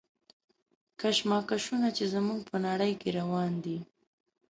کشمکشونه چې زموږ په نړۍ کې روان دي.